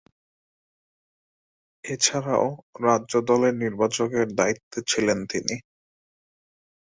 এছাড়াও, রাজ্য দলের নির্বাচকের দায়িত্বে ছিলেন তিনি।